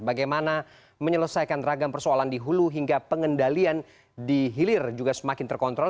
bagaimana menyelesaikan ragam persoalan di hulu hingga pengendalian di hilir juga semakin terkontrol